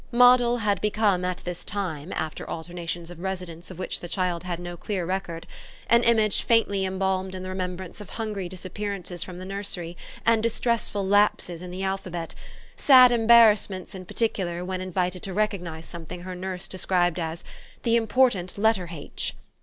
Moddle had become at this time, after alternations of residence of which the child had no clear record, an image faintly embalmed in the remembrance of hungry disappearances from the nursery and distressful lapses in the alphabet, sad embarrassments, in particular, when invited to recognise something her nurse described as "the important letter haitch."